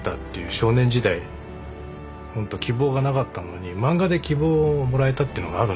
少年時代ほんと希望がなかったのに漫画で希望をもらえたっていうのがあるんですよ。